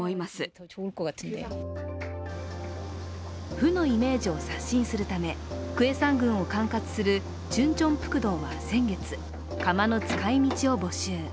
負のイメージを刷新するため、クェサン郡を管轄するチュンチョンプクトは先月、釜の使い道を募集。